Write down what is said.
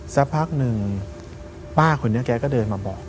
สักพักหนึ่งป้าคนนี้แกก็เดินมาบอก